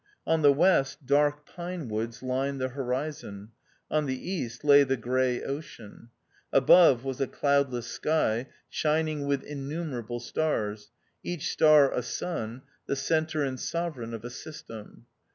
On the west, dark pine woods lined the horizon ; on the east lay the gray ocean ; above was a cloud less sky, shining with innumerable stars, each star a sun, the centre and sovereign of a system.